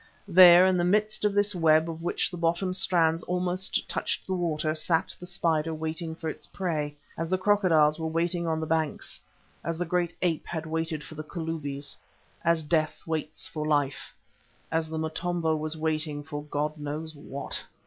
There in the midst of this web of which the bottom strands almost touched the water, sat the spider waiting for its prey, as the crocodiles were waiting on the banks, as the great ape had waited for the Kalubis, as Death waits for Life, as the Motombo was waiting for God knows what.